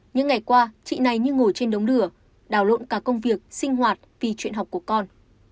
những ngày qua chị này như ngồi trên đống lửa đảo lộn cả công việc sinh hoạt vì chuyện học của con